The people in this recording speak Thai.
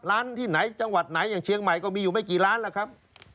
ร้านที่ไหนจังหวัดไหนอย่างเชียงใหม่ก็มีอยู่ไม่กี่ล้านแล้วครับ